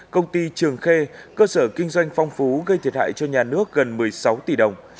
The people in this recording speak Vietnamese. công ty trường khê cơ sở kinh doanh phong phú gây thiệt hại cho nhà nước gần một mươi sáu tỷ đồng